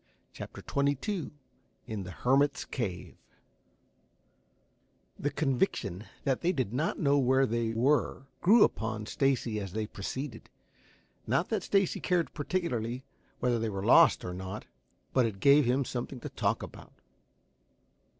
CHAPTER XXII IN THE HERMIT'S CAVE The conviction that they did not know where they were grew upon Stacy as they proceeded. Not that Stacy cared particularly whether they were lost or not, but it gave him something to talk about.